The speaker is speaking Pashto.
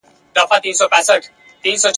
ته د ژوند له تنهایی څخه ډارېږې !.